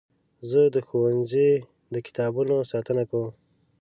زه د ښوونځي د کتابونو ساتنه کوم.